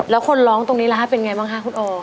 แล้วคนร้องตรงนี้ล่ะฮะเป็นไงบ้างคะคุณโอ